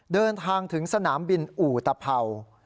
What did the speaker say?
เดินทางถึงสนามบินอูตเภา